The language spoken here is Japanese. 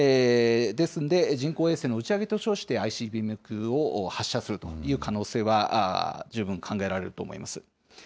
ですんで、人工衛星の打ち上げと称してＩＣＢＭ級を発射するという可能性は十分考えられると思います。